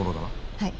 はい。